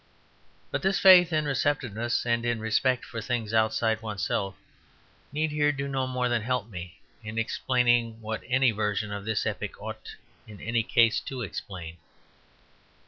But this faith in receptiveness, and in respect for things outside oneself, need here do no more than help me in explaining what any version of this epoch ought in any case to explain.